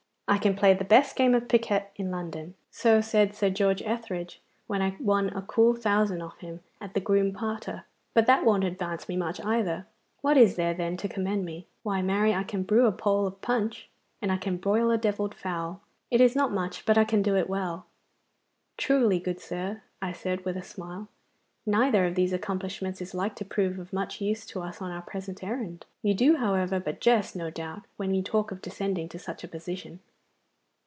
I can play the best game of piquet in London. So said Sir George Etherege when I won a cool thousand off him at the Groom Parter. But that won't advance me much, either. What is there, then, to commend me? Why, marry, I can brew a bowl of punch, and I can broil a devilled fowl. It is not much, but I can do it well.' 'Truly, good sir,' I said, with a smile, 'neither of these accomplishments is like to prove of much use to us on our present errand. You do, however, but jest, no doubt, when you talk of descending to such a position.